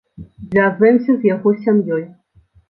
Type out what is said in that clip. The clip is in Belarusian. Звязваемся з яго сям'ёй.